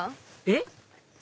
えっ？